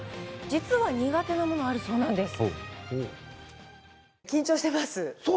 実は、苦手なものがあるそうなんです。